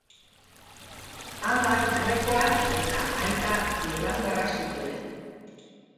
Ama grekoa eta aita irlandarra zituen.